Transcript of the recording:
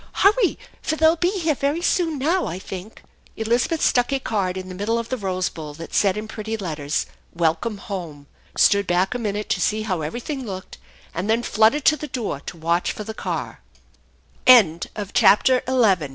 Hurry, for they'll be here very soon now, I think." Elizabeth stuck a card in the middle of the rose bow?, that said in pretty letters, " Welcome Home," stood back a minute to see how everything looked, and then fluttered to the door to WR+fh for